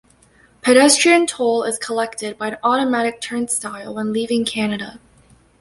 Pedestrian toll is collected by an automatic turnstile when leaving Canada.